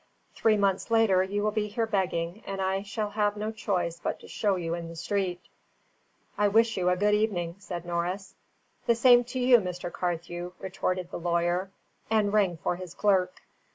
Three months later you will be here begging, and I shall have no choice but to show you in the street." "I wish you a good evening," said Norris. "The same to you, Mr. Carthew," retorted the lawyer, and rang for his clerk.